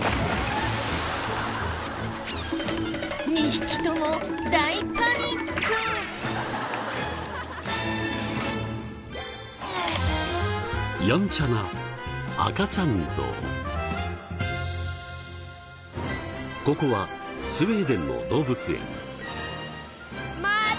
２匹ともここはスウェーデンの動物園。